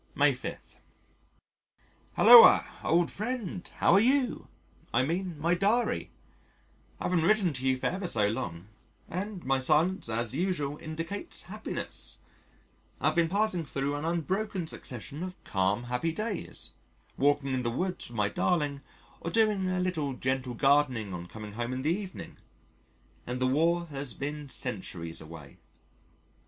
May 5. Hulloa, old friend: how are you? I mean my Diary. I haven't written to you for ever so long, and my silence as usual indicates happiness. I have been passing thro' an unbroken succession of calm happy days, walking in the woods with my darling, or doing a little gentle gardening on coming home in the evening and the War has been centuries away.